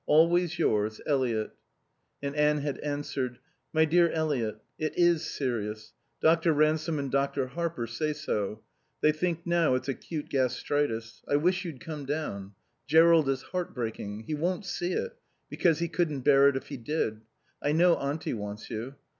Always yours, Eliot. And Anne had answered: My dear Eliot, It is serious. Dr. Ransome and Dr. Harper say so. They think now it's acute gastritis. I wish you'd come down. Jerrold is heart breaking. He won't see it; because he couldn't bear it if he did. I know Auntie wants you.